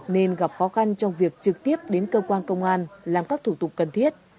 nên gặp khó khăn trong việc trực tiếp đến cơ quan công an làm các thủ tục cần thiết